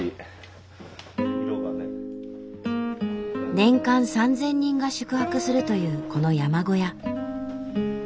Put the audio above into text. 年間３，０００人が宿泊するというこの山小屋。